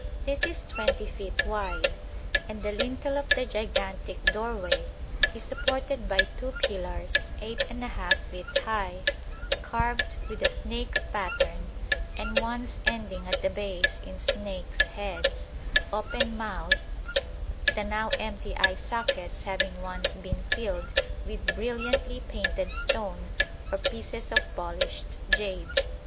This is 20 feet wide and the lintel of the gigantic doorway is supported by two pillars, 8 1/2 feet high, carved with a snake pattern and once ending at the base in snakes' heads, open mouthed, the now empty eye sockets having once been filled with brilliantly painted stone or pieces of polished jade.